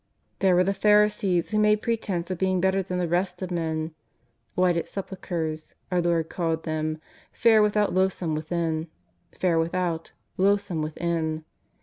There were the Pharisees who made pretence of being better than the rest of men, ^' whited sepulchres," our Lord called them, fair without, loathsome within.